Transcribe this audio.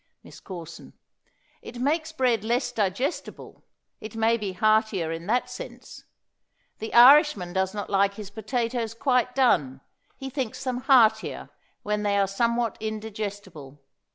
MISS CORSON. It makes bread less digestible it may be heartier in that sense; the Irishman does not like his potatoes quite done; he thinks them heartier when they are somewhat indigestible.